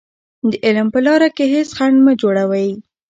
د علم په لاره کې هېڅ خنډ مه جوړوئ.